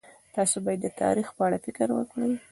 تاسو باید د تاریخ په اړه فکر وکړئ.